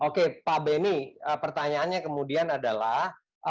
oke pak beni pertanyaannya kemudian adalah